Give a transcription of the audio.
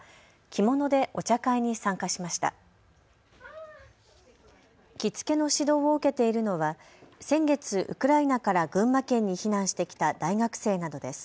着付けの指導を受けているのは先月ウクライナから群馬県に避難してきた大学生などです。